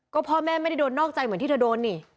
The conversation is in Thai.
ก็พ่อแม่ไม่ได้โดนนอกใจเหมือนที่เธอโดนนี่